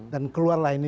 dan keluarlah ini